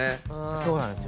そうなんですよ。